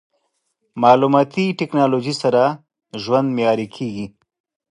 مالوماتي ټکنالوژي سره د ژوند معیاري کېږي.